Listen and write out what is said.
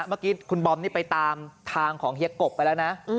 เมื่อกี้คุณบอมนี่ไปตามทางของเฮียกบไปแล้วนะ